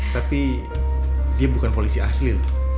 tapi dia bukan polisi asli